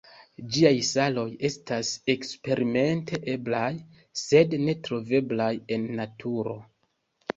Ĝiaj saloj estas eksperimente eblaj, sed ne troveblaj en naturo.